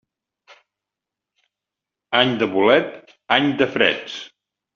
Any de bolets, any de freds.